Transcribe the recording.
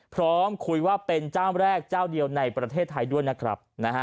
พร้อมคุยว่าเป็นเจ้าแรกเจ้าเดียวในประเทศไทยด้วยนะครับ